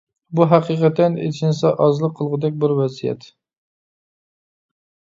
بۇ ھەقىقەتەن ئىچىنسا ئازلىق قىلغۇدەك بىر ۋەزىيەت.